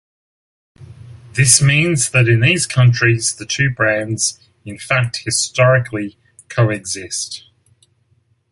This means that in these countries the two brands in fact historically co-exist.